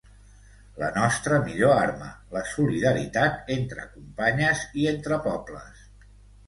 La nostra millor arma, la solidaritat entre companyes i entre pobles.